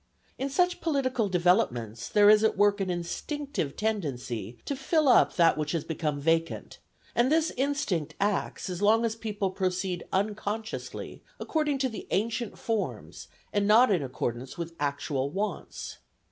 In such political developments there is at work an instinctive tendency to fill up that which has become vacant; and this instinct acts as long as people proceed unconsciously according to the ancient forms and not in accordance with actual wants.